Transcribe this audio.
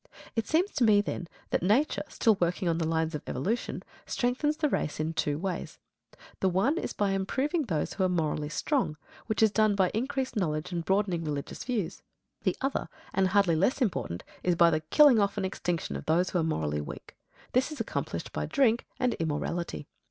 It seems to me, then, that Nature, still working on the lines of evolution, strengthens the race in two ways. The one is by improving those who are morally strong, which is done by increased knowledge and broadening religious views; the other, and hardly less important, is by the killing off and extinction of those who are morally weak. This is accomplished by drink and immorality.